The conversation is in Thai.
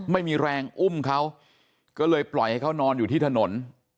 ไม่มีแรงอุ้มเขาก็เลยปล่อยให้เขานอนอยู่ที่ถนน